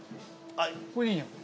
これいいじゃん。